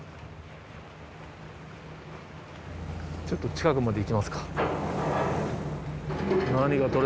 ちょっと近くまで行きますか。